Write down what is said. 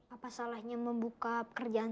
apa salahnya membuka pekerjaan